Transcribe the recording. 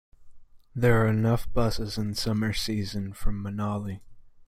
There are enough buses in summer season from manali.